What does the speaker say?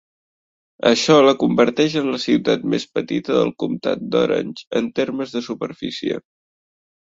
Això la converteix en la ciutat més petita del comtat d'Orange en termes de superfície.